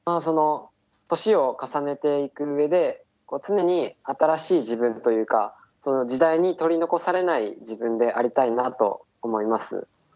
その年を重ねていく上で常に新しい自分というか時代に取り残されない自分でありたいなと思います。